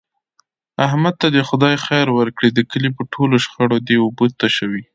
احمد ته دې خدای خیر ورکړي د کلي په ټولو شخړو دی اوبه تشوي.